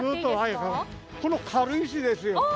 この軽石ですよ。